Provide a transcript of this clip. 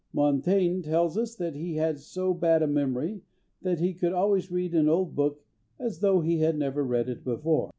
Montaigne tells us that he had so bad a memory that he could always read an old book as though he had never read it before.